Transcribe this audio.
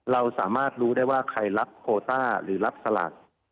เราสามารถรู้ได้ว่าใครรับโคต้าหรือรับสลาก